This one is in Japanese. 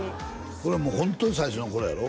これもうホントに最初の頃やろ？